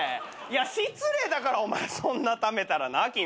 いや失礼だからお前そんなためたらな。